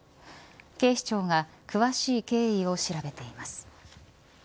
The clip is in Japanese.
警視庁が詳しい経緯を調べています。